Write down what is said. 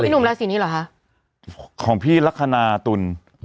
หนุ่มราศีนี้เหรอคะของพี่ลักษณะตุล